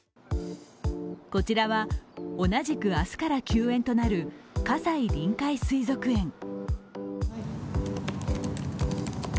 こちらは同じく明日から休園となる葛西臨海水族園。